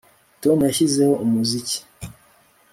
tom yashyizeho umuziki